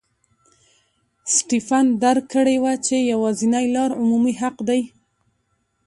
سټېفن درک کړې وه چې یوازینۍ لار عمومي حق دی.